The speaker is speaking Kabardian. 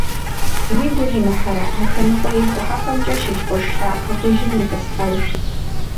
Уигу иримыхьрэ, Ахыныкъуэ и къухьэпӀэмкӀэ щылъ къурш лъапэ хужьым итӀысхьэж.